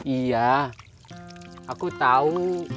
iya aku tau